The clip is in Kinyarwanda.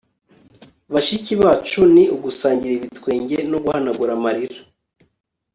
bashiki bacu ni ugusangira ibitwenge no guhanagura amarira